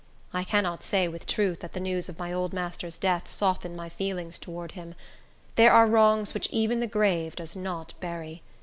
I cannot say, with truth, that the news of my old master's death softened my feelings towards him. There are wrongs which even the grave does not bury.